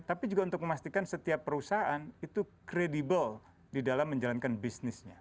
tapi juga untuk memastikan setiap perusahaan itu kredibel di dalam menjalankan bisnisnya